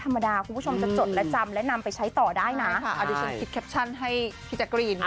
เอาดูฉันคิดแคปชั่นให้พี่จักรีน